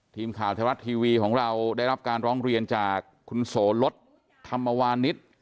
ทีมข่าวไทยรัฐทีวีของเราได้รับการร้องเรียนจากคุณโสลดธรรมวานิส